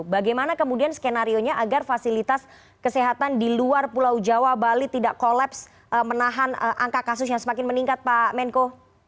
bagaimana kemudian skenario nya agar fasilitas kesehatan di luar pulau jawa bali tidak kolaps menahan angka kasus yang semakin meningkat pak menko